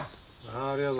あありがとう。